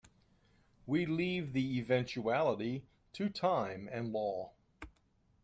We leave the eventuality to time and law.